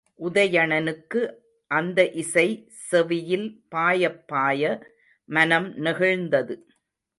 உதயணனுக்கு அந்த இசை செவியில் பாயப்பாய, மனம் நெகிழ்ந்தது.